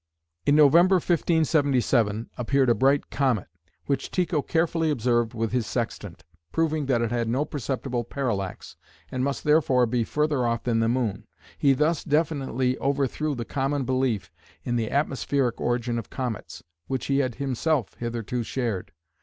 In November, 1577, appeared a bright comet, which Tycho carefully observed with his sextant, proving that it had no perceptible parallax, and must therefore be further off than the moon. He thus definitely overthrew the common belief in the atmospheric origin of comets, which he had himself hitherto shared.